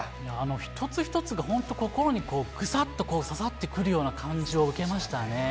一つ一つが本当、心にぐさっと刺さってくるような感じを受けましたね。